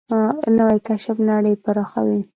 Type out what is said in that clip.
نوې کشف نړۍ پراخوي